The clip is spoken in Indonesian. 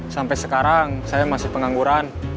sampai sekarang saya masih pengangguran